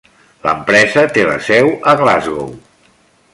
L'empresa té la seu a Glasgow.